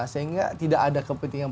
sehingga tidak ada kepentingan